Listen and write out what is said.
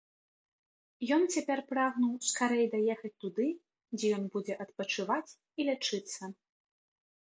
Ён цяпер прагнуў скарэй даехаць туды, дзе ён будзе адпачываць і лячыцца.